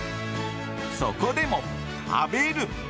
そこでも、食べる！